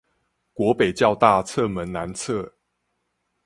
國北教大側門南側